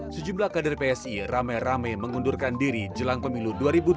sejumlah kader psi rame rame mengundurkan diri jelang pemilu dua ribu dua puluh